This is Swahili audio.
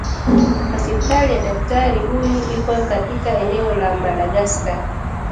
Hospitali ya daktari huyu iko katika eneo la Madagscar